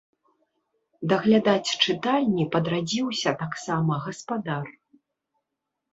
Даглядаць чытальні падрадзіўся таксама гаспадар.